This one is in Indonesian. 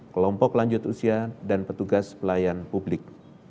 kelompok lanjut usia dan petugas pelayan publik